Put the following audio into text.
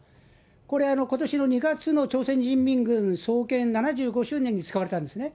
これ、ことしの２月の朝鮮人民軍創建７５周年に使われたんですね。